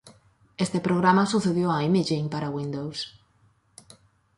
Este programa sucedió a Imaging para Windows.